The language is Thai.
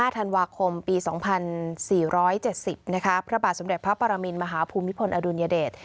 ธันวาคมปี๒๔๗๐พระบาทสมเด็จพระปรมินมหาภูมิพลอดุลยเดช